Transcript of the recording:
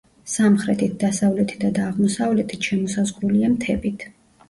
სამხრეთით, დასავლეთითა და აღმოსავლეთით შემოსაზღვრულია მთებით.